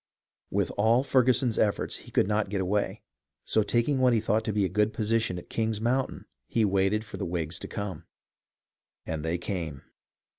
With all Ferguson's efforts, he could not get away; so, tak ing what he thought to be a good position at King's Moun tain, he waited for the Whigs to come. And they came.